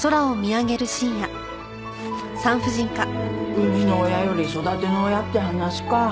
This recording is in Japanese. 生みの親より育ての親って話か。